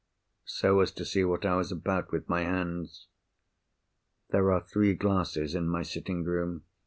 "So as to see what I was about with my hands?" "There are three glasses in my sitting room.